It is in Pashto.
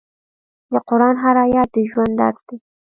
د قرآن هر آیت د ژوند درس دی.